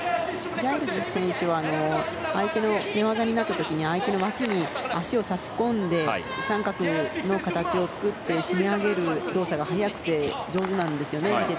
ジャイルズ選手は寝技になった時に相手のわきに足を差し込んで三角の形を作って締め上げる動作が速くて上手なんですね。